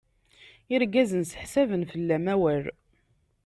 Irgazen seḥsaben fell-am awal.